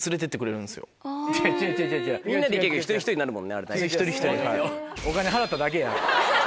みんなで行けるけど一人一人になるもんね。